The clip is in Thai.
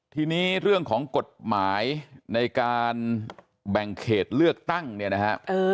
ทีนี้เรื่องของกฎหมายในการแบ่งเขตเลือกตั้งเนี่ยนะครับ